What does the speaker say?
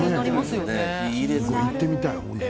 行ってみたい本当。